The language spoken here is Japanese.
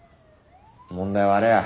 問題はあれや。